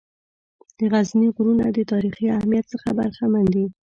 د غزني غرونه د تاریخي اهمیّت څخه برخمن دي.